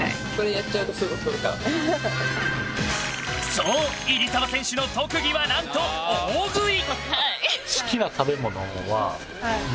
そう、入澤選手の特技は何と大食い！